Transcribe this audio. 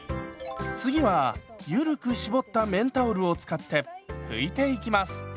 次はゆるく絞った綿タオルを使って拭いていきます。